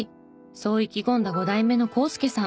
そう意気込んだ５代目の浩介さん。